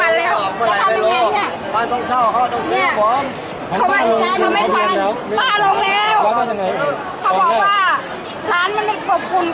อาหรับเชี่ยวจามันไม่มีควรหยุด